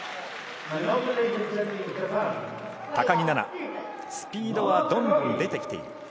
高木菜那、スピードはどんどん出てきている。